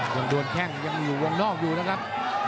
ยังโดนแข้งยังอยู่วงนอกอยู่นะครับ